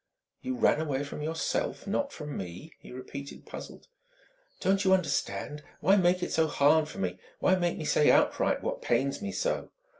"You ran away from yourself not from me?" he repeated, puzzled. "Don't you understand? Why make it so hard for me? Why make me say outright what pains me so?"